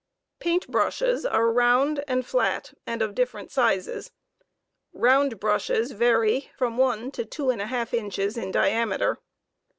Faint brushes are round and flat, and of different sizes. Bound brushes vary from one to two and a half inches in diameter.